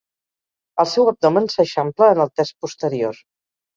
El seu abdomen s'eixampla en el terç posterior.